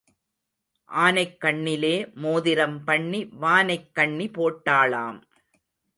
ஆனைக் கண்ணிலே மோதிரம் பண்ணி வானக் கண்ணி போட்டாளாம்.